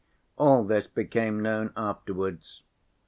All this became known afterwards.